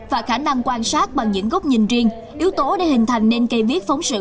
và khả năng quan sát bằng những góc nhìn riêng yếu tố để hình thành nên cây viết phóng sự